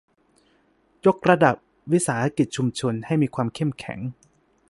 ยกระดับวิสาหกิจชุมชนให้มีความเข้มแข็ง